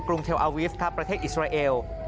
รุเทลอาวิฟครับประเทศอิสราเอล